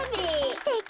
すてき！